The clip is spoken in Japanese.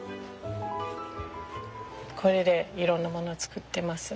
これでいろんなもの作ってます。